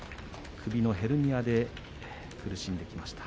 首のヘルニアで苦しんできました。